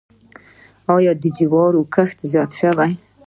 آیا د جوارو کښت زیات شوی؟